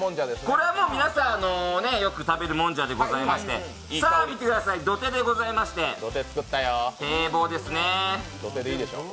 これは皆さんよく食べるもんじゃでございまして、さあ、土手でございまして、堤防ですね。